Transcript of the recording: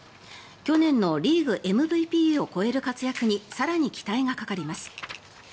去年のリーグＭＶＰを超える活躍に更に期待がかかります。